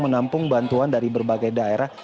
menampung bantuan dari berbagai daerah